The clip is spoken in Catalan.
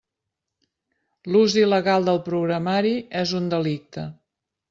L'ús il·legal del programari és un delicte.